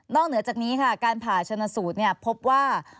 เหนือจากนี้ค่ะการผ่าชนสูตรพบว่า